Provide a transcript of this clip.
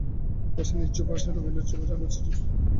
পাশেই নিশ্চুপ বসে আছে রবিউলের ছয় বছরের শিশুসন্তান।